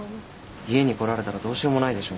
家に来られたらどうしようもないでしょ。